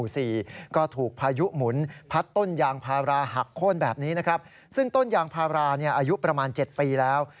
ซึ่งต้นยางพาราอายุประมาณ๗ปีแล้ว